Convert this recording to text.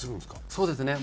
そうですね。